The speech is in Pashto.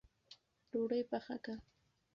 ډوډۍ پخه که